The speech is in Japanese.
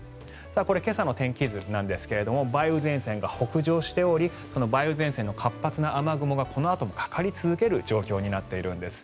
これ、今朝の天気図なんですが梅雨前線が北上しておりその梅雨前線の活発な雨雲がこのあともかかり続ける状況になっているんです。